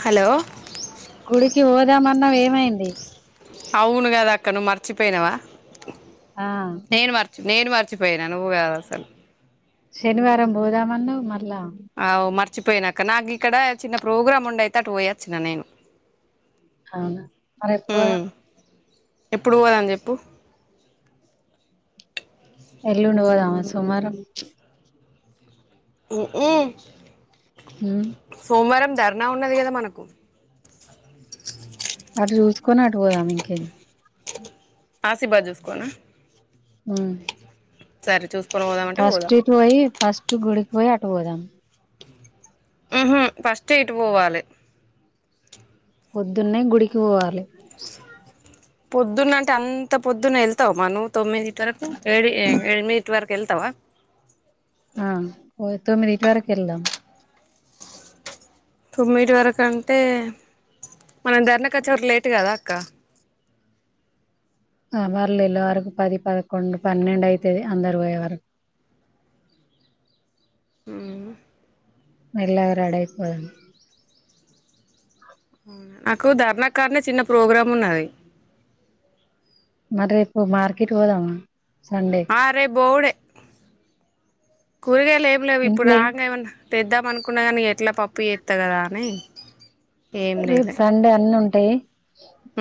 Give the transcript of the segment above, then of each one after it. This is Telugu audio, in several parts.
హలో గుడికి పోదాం అన్నావ్ ఏమైంది? అవును కదా అక్క నువ్వు మర్చిపోయినావా ఆ నేను మర్చి నేను మర్చిపోయానా నువ్వు కాదు అసలు శనివారం పోదాంన్నావ్ మల్ల అవు మర్చిపోయానాక నాకు ఇక్కడ చిన్న ప్రోగ్రామ్ ఉండె అయితే అటు పోయాచ్చిన నేను ఆవున మరి ఎప్పుడు పోదాం? ఉమ్ ఎప్పుడు పోదాము చెప్పు ఎల్లుండి పోదామా సోమవారం ఊఉ ఉమ్ సోమవారం ధర్నా ఉన్నది కదా మనకు అటు చూసుకొని అటు పోదాం ఇంక ఏమ్ ఆశీర్బాద్ చూసుకోనా ఉమ్ సరే చూసు ఫస్ట్ ఇటు పోయి, ఫస్ట్ గుడికి పోయి అటు పోదాం. ఉహు ఫస్ట్ ఇటు పోవాలి. పొద్దున్నే గుడికి పోవాలి. పొద్దున్న అంటే అంత పొద్దున్న ఏలుతావా, మరి నువు తొమ్మిదిటి వరకు ఏడు ఎనిమిదిటి వరకు వెళ్తావా? [inaudible] ఆ తొమ్మిదిటి వరకు వెలుదాము. తొమ్మిటి వరకుంటే మనం ధర్నా కి వచ్చే వరకి లేట్ కదా అక్క అ వర్లు ఇల వరకు పది పదకొండు పన్నెండు అయితుది అందరు పోయే వరకు ఉమ్ మెల్లగా రెడీ ఐ పోదాం నాకు ధర్నా కార్నే చిన్న ప్రోగ్రామ్ ఉన్నది. మరి రేపు మార్కెట్ పోదామా? సండే అ రేపు పోవుడే కూరగాయలు ఏం లేవు ఇప్పుడు ఇంట్లో రాంగ్ ఏమన్నా తెద్దామ అనుకున్నా కానీ ఎట్లా పప్పు చేస్తా కదా అని ఏం రేపు తేలే సండే అన్ని ఉంటాయి.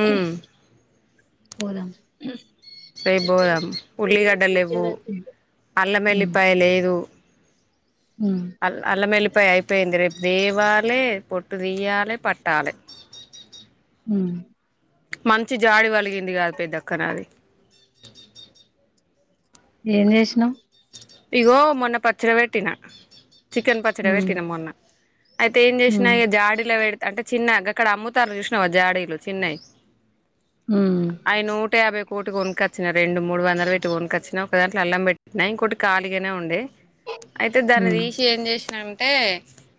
ఉమ్ పోదమా మ్ రేపు పోదాం ఉల్లిగడ్డ లేవు, అల్లం మెల్లిపాయ లేదు. ఉమ్ అల్ అల్లమెల్లిపాయ అయిపోయిందీ రెప్. దేవాలే పొట్టు తీయ్యాలి పట్టాలే. ఉమ్. మంచి జాడి వలిగింది కాద పెద్దక్క నాది. ఏంచేసినావ్. ఇగో మొన్న పచ్చడి పెట్టిన చికెన్ పచ్చడి ఉమ్ పెట్టిన మొన్న. అయితే ఏం ఉమ్ చేసినాయి ఇక జాడిలో వెడ్. అంటే చిన్న గక్కడ అమ్ముతారు చూసినావా జాడీలు చిన్నవి. ఉమ్ అవి నూట యాభై కోటి కొనుకొచ్చిన రెండు మూడు వందలు పెట్టి కొనుకొచ్చినా ఒక దాంట్లో అల్లం పెట్ట్. న ఇంకోటి ఖాళీగానే ఉండే అయితే దాన్ని ఉమ్ తీసి ఏం చేసిన అం. అంటే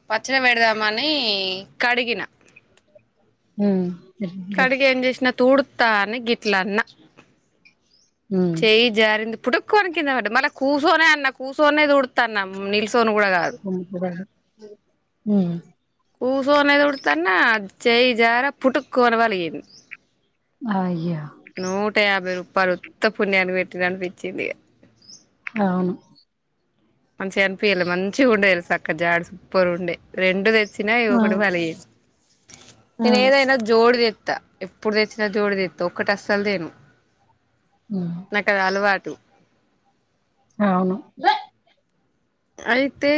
పచ్చడి పెడదామని కడిగిన. ఉమ్. ఎట్లే కడిగి ఏం చేసినా తూడుతా అని గిట్లా అన్న. ఉమ్ చేయి జారింది పుటుక్కొమని కిందపడ్డది మళ్ళ కూర్చొనే అన్న కూర్చొనే తుడుతన్న నిలిచు. నిలబడిన ఉమ్. కుసోనే తుడుస్తున్న చేయి జారీ పుటుక్క అని పలిగింది. అయ్యా. నూట యాభై రూపాలు ఉత్తపుణ్యానికి పెట్టిన అనిపించింది ఇగ. అవును. మంచిగానిపియాలే మంచిగా ఉండే తెలుస అక్క జడు సూపర్ ఉండే రెండు తె. చిన్నయ్ ఆ ఒకటి పలిగింది ఆ నేను ఏదైనా జోడి తే. త ఎప్పుడు తెచ్చినా జోడి తెస్తా ఒక్కటి అస్సలు తేను. ఉమ్ నాకు అది అలవాటు. అవును. అయితే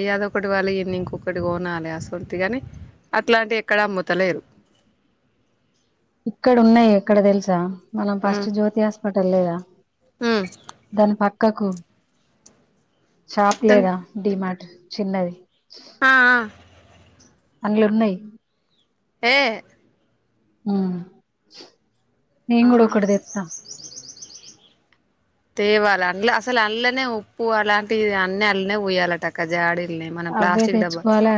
ఇగ అదొకటి పలిగింది ఇంకొకటి కొనాలి అసోంటిదిగని. అట్లాంటివి ఎక్కడా అమ్ముతలేరు. ఇక్కడ ఉన్నాయి ఎక్కడ తెలుసా. మనం ఉమ్ ఫస్ట్ జ్యోతి హాస్పిటల్ లేదా ఉమ్ దాని పక్కకు. షాప్ లేదా డిమార్ట్ చిన్నది. ఆహ్ ఆహ్. ఆన్లున్నాయి. ఏయ్. ఉమ్ నేను కూడా ఆ ఒకటి దేత్త. తేవాలి అందల అసలు అల్లనే ఉప్పు అలాంటివి అన్ని అల్లనే పోయాలంట అక్క జాడిలు. మనం అవే ప్లాస్టిక్ డబ్బా. తెచ్చుకోవాలా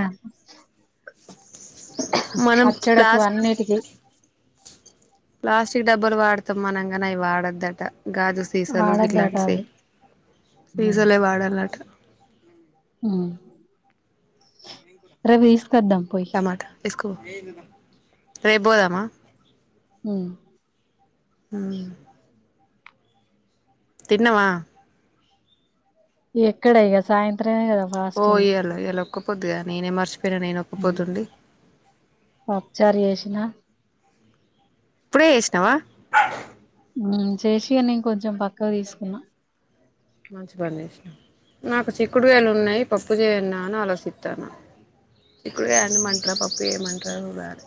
మనం పచ్చడకు ప్లాస్ అన్నిటికీ. ప్లాస్టిక్ డబ్బులు వాడతాం మనంగానే అవి వాడోద్దట. గాజు సీసలు వాడొద్దట ఇట్లాంటి అవి ఉమ్ సీసలే వాడలన్నట. ఉమ్ రేపు తీసుకోద్దాం పోయి. కో రేపు పోదామా. ఉమ్. ఉమ్. తిన్నవా. ఎక్కడ ఇగ సాయంత్రం. ఓ ఈయల ఇయలా ఒక్క పొద్దుగా నేనే మార్చి. పోయిన నేను ఉమ్ ఒక్కపొద్దుండీ. పప్పుచారు చేసిన ఇప్పుడే చేసినావా. ఉమ్ చేసి ఇగా నేను కొంచెం పక్క తీసుకున్నా. మంచి పని చేసినవు. నాకు చిక్కుడు కాయలు ఉన్నాయి పప్పు చేయన్నా అని ఆలోచిస్తున్నా. చిక్కుడుకాయ అండుమంటలా పప్పు చేయిమంటార చూడాలి